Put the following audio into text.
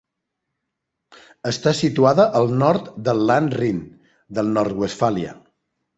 Està situada al nord del Land Rin del Nord-Westfàlia.